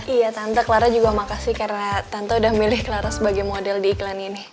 iya tante clara juga makasih karena tante udah milih clara sebagai model di iklan ini